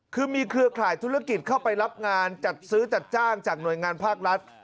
คือมีเครือข่ายธุรกิจเข้าไปรับงานจัดซื้อจัดจ้างจากหน่วยงานภาครัฐ